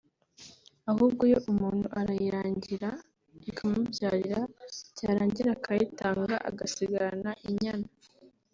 ahubwo yo umuntu arayiragira ikamubyarira; byarangira akayitanga agasigarana inyana